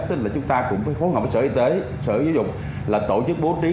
tức là chúng ta cũng phải phối hợp với sở y tế sở giáo dục là tổ chức bố trí